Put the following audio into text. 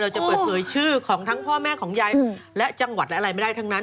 จะเปิดเผยชื่อของทั้งพ่อแม่ของยายและจังหวัดอะไรไม่ได้ทั้งนั้น